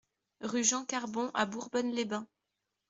Rue Jean Carbon à Bourbonne-les-Bains